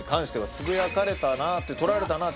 つぶやかれたな撮られたなって感覚は。